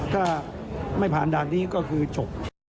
ถ้าไม่ผ่านด่านนี้ก็คือจบ